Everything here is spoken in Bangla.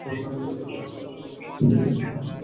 ফলে কুয়ার পানি শুকিয়ে যায়।